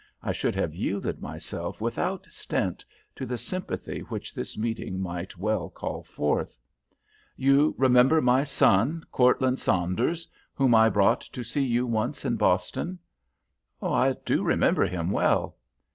I should have yielded myself without stint to the sympathy which this meeting might well call forth. "You remember my son, Cortland Saunders, whom I brought to see you once in Boston?" "I do remember him well."